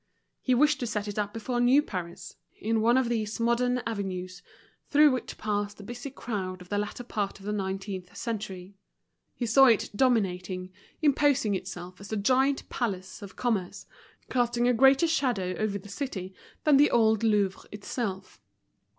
He wished to set it up before new Paris, in one of these modern avenues through which passed the busy crowd of the latter part of the nineteenth century. He saw it dominating, imposing itself as the giant palace of commerce, casting a greater shadow over the city than the old Louvre itself.